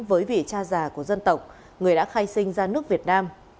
với vị cha già của dân tộc người đã khai sinh ra nước việt nam